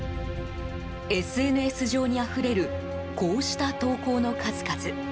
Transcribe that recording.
ＳＮＳ上にあふれるこうした投稿の数々。